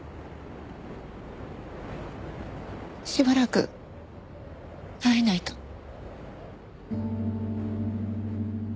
しばらく会えないと。